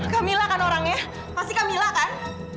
kamilah kan orangnya pasti kamilah kan